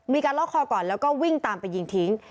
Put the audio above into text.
ลอกคอก่อนแล้วก็วิ่งตามไปยิงทิ้ง